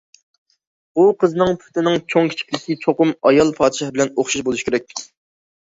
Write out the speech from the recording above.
بۇ قىزنىڭ پۇتىنىڭ چوڭ- كىچىكلىكى چوقۇم ئايال پادىشاھ بىلەن ئوخشاش بولۇشى كېرەك.